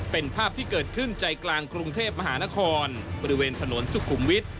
เป็นภาพที่เกิดขึ้นใจกลางกรุงเทพมหานครบริเวณถนนสุขุมวิทย์